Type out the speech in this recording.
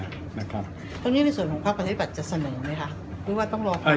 ตรงนี้ในส่วนของพักประชาธิบัตรจะเสนอไหมคะหรือว่าต้องรอ